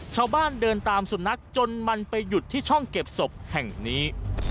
ชาวบ้านเดินตามสุนัขจนมันไปหยุดที่ช่องเก็บศพแห่งนี้